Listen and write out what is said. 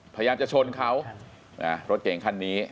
พยายามจะชนเขารถเก่งคันนี้